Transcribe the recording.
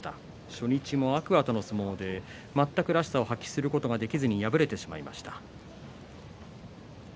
初日も天空海との相撲では楽だしらしさを発揮することができずに敗れてしまいました。